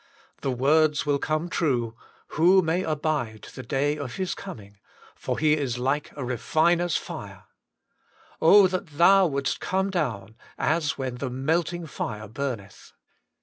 The words will come true, *Who may abide the day of His coming, for He is like a refiner's fire.' * that Thou would est come down, as when the melting fire burneth